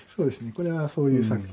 これはそういう作品。